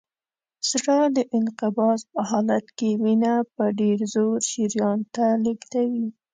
زړه د انقباض په حالت کې وینه په ډېر زور شریان ته لیږدوي.